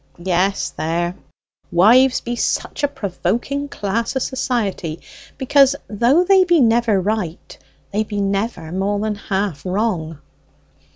"Yes: there; wives be such a provoking class o' society, because though they be never right, they be never more than half wrong."